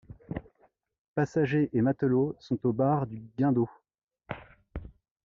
Passagers et matelots sont aux barres du guindeau.